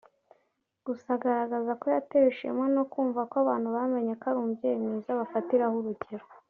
Gusa agaragaza ko yatewe ishema no kumva ko abantu bamenye ko ari umubyeyi mwiza bafatiraho urugero